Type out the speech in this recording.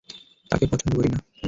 তাকে পছন্দ করি না।